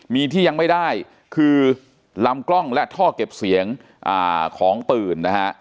มีที่ยังไม่ได้คือลำกล้องและท่อเก็บเสียงของปืนนะฮะ